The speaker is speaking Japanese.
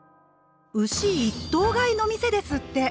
「牛一頭買いの店」ですって。